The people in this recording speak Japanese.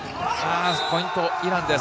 ポイント、イランです。